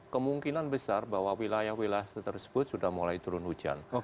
kemungkinan besar bahwa wilayah wilayah tersebut sudah mulai turun hujan